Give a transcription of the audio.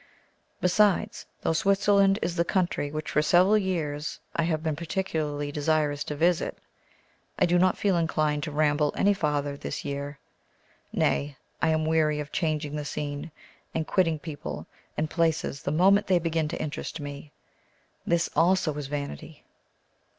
Besides, though Switzerland is the country which for several years I have been particularly desirous to visit, I do not feel inclined to ramble any farther this year; nay, I am weary of changing the scene, and quitting people and places the moment they begin to interest me. This also is vanity!